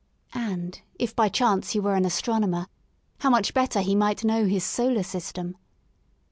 And, if by chance he were an astronomer, how much better he might know his solar system.